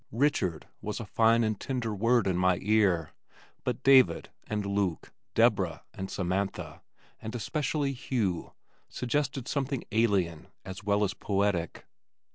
"Richard" was a fine and tender word in my ear, but "David" and "Luke," "Deborah" and "Samantha," and especially "Hugh," suggested something alien as well as poetic.